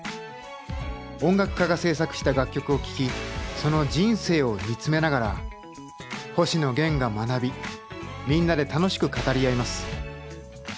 音楽家が制作した楽曲を聴きその人生を見つめながら星野源が学びみんなで楽しく語り合います。